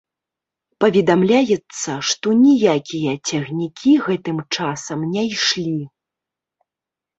Паведамляецца, што ніякія цягнікі гэтым часам не ішлі.